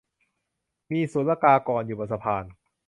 มีศุลกากรอยู่บนสะพาน